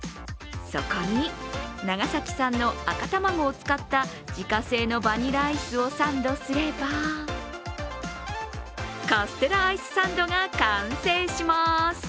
そこに長崎産の赤卵を使った自家製のバニラアイスをサンドすればカステラアイスサンドが完成します。